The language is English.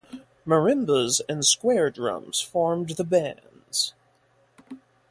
Marimbas and square drums formed the bands.